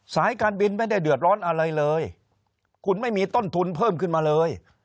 สายการบินไม่ได้เดือดร้อนอะไรเลยคุณไม่มีต้นทุนเพิ่มขึ้นมาเลย